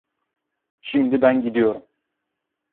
Şimdi ben gidiyorum.